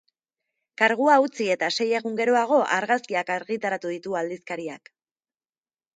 Kargua utzi eta sei egun geroago argazkiak argitaratu ditu aldizkariak.